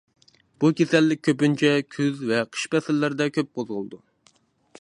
بۇ كېسەللىك كۆپىنچە كۈز ۋە قىش پەسىللىرىدە كۆپ قوزغىلىدۇ.